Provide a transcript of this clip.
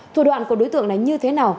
thủ đoạn của đối tượng này như thế nào